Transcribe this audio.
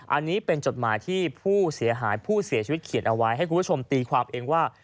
อันนี้เป็นจดหมายที่ผู้เสียหายผู้เสียชีวิตเขียนเอาไว้ให้คุณผู้ชมตีความเองว่า